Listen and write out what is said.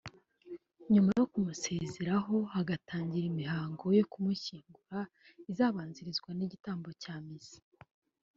nyuma yo kumusezeraho hagatangira imihango yo kumushyingura izabanzirizwa n’igitambo cya misa